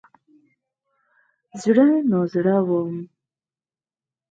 زړه نازړه وم.